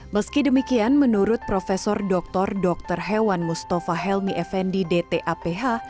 meski demikian menurut prof dr dr hewan mustafa helmi effendi dtaph